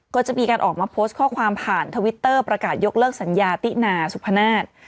ก็จะมีการออกมาโพสต์ข้อความผ่านทวิตเตอร์ประกาศยกเลิกสัญญาตินาสุพนาศ